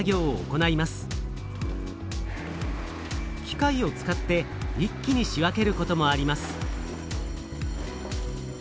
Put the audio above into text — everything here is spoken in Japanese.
機械を使って一気に仕分けることもあります。